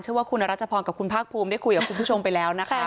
ว่าคุณรัชพรกับคุณภาคภูมิได้คุยกับคุณผู้ชมไปแล้วนะคะ